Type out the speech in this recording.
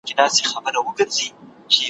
زه لکه سیوری `